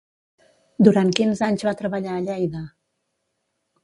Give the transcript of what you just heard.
Durant quins anys va treballar a Lleida?